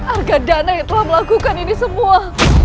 harga dana yang telah melakukan ini semua